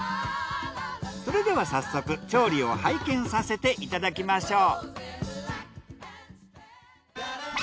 それでは早速調理を拝見させていただきましょう。